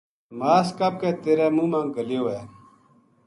ماس کپ کے تیرے منہ ما گھلیو ہے‘‘